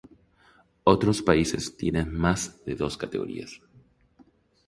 Otros países tienen más de dos categorías.